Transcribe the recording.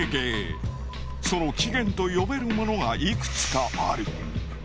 その起源と呼べるものがいくつかある。